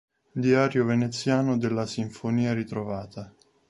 Diario veneziano della sinfonia ritrovata".